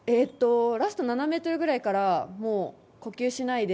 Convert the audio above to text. ラスト７ｍくらいから呼吸をしないで